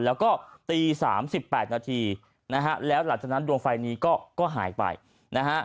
แล้วก็ตีสามสิบแปดนาทีนะฮะแล้วหลังจากนั้นดวงไฟนี้ก็หายไปนะฮะ